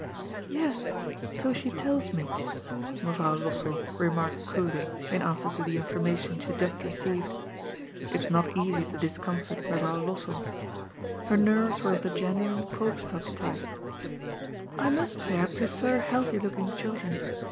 " Yes, so she tells me," Mevrouw Lossell remarked coolly, in answer to the information she had just received. It was not easy to discomfort Mevrouw Lossell. Her nerves were of the genuine Eoopstad type. "I must say I prefer healthy looking children.